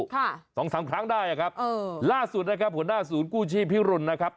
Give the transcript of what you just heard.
ค่ะสองสามครั้งได้อ่ะครับเออล่าสุดนะครับหัวหน้าศูนย์กู้ชีพพิรุณนะครับ